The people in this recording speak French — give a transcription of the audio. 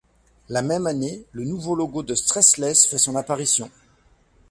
La même année, le nouveau logo de Stressless fait son apparition.